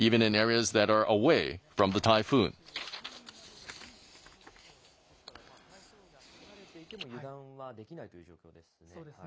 ですから、台風が離れていても、油断はできないという状況でそうですね。